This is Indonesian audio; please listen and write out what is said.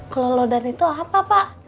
kelolodan itu apa pak